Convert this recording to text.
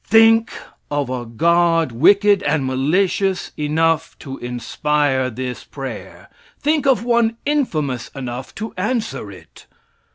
Think of a God wicked and malicious enough to inspire this prayer. Think of one infamous enough to answer it.